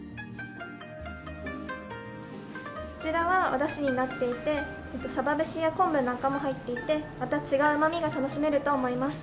こちらはお出汁になっていてさば節や昆布なんかも入っていてまた違ううまみが楽しめると思います。